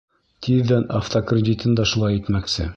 Тиҙҙән автокредитын да шулай итмәксе.